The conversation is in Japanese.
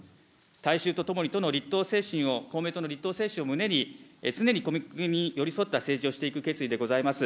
大衆と共にとの立党精神の、公明党の立党精神を胸に、常に国民に寄り添った政治をしていく決意でございます。